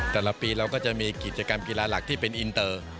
แต่ละปีเราก็จะมีกิจกรรมกีฬาหลักที่เป็นอินเตอร์